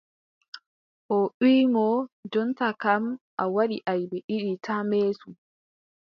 O wiʼi mo: jonta kam, a waɗi aybe ɗiɗi taa meetu.